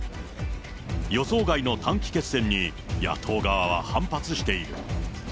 予想外の短期決戦に野党側は反発している。